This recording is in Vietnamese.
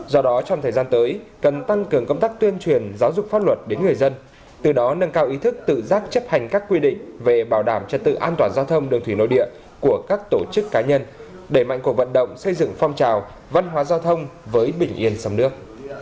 do đó trong thời gian tới cần tăng cường công tác tuyên truyền giáo dục pháp luật đến người dân từ đó nâng cao ý thức tự giác chấp hành các quy định về bảo đảm trật tự an toàn giao thông đường thủy nội địa của các tổ chức cá nhân đẩy mạnh cuộc vận động xây dựng phong trào văn hóa giao thông với bình yên sông nước